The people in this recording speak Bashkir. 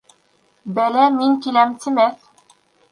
Бәлә «мин киләм» тимәҫ.